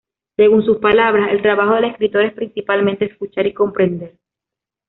Según sus palabras el trabajo del escritor es principalmente escuchar y comprender.